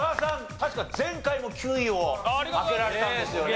確か前回も９位を当てられたんですよね？